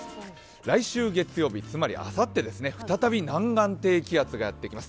来週月曜日、つまりあさって再び南岸低気圧がやってきます。